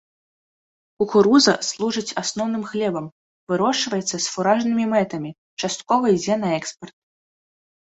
Кукуруза служыць асноўным хлебам, вырошчваецца з фуражнымі мэтамі, часткова ідзе на экспарт.